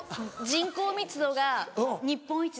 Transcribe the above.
人口密度が日本一。